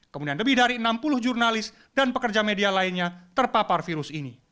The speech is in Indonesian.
kemudian lebih dari enam puluh jurnalis dan pekerja media lainnya terpapar virus ini